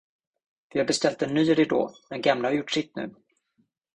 Vi har beställt en ny ridå, den gamla har gjort sitt nu.